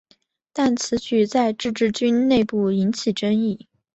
但此举在自治军内部引起争议。